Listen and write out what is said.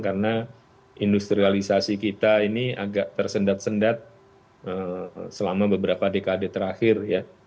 karena industrialisasi kita ini agak tersendat sendat selama beberapa dekade terakhir